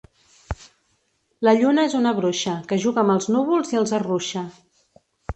La lluna és una bruixa que juga amb els núvols i els arruixa.